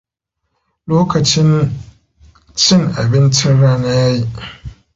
Lokacin cin abincin rana ya yi.